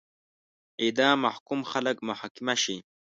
اعدام محکوم خلک محاکمه شي.